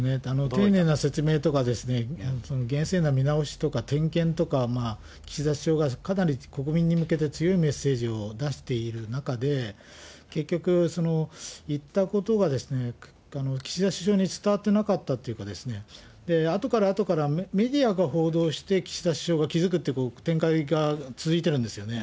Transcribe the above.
丁寧な説明とか、厳正な見直しとか、点検とか、岸田首相がかなり国民に向けて強いメッセージを出している中で、結局、行ったことが岸田首相に伝わってなかったというか、あとからあとから、メディアが報道して、岸田首相が気付くという展開が続いてるんですよね。